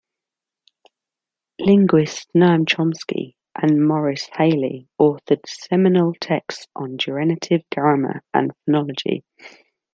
Linguists Noam Chomsky and Morris Halle authored seminal texts on generative grammar and phonology.